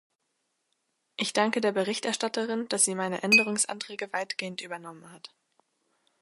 Ich danke der Berichterstatterin, dass sie meine Änderungsanträge weitgehend übernommen hat.